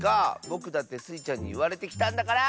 ぼくだってスイちゃんにいわれてきたんだから！